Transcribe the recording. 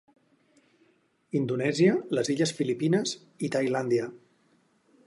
Indonèsia, les illes Filipines i Tailàndia.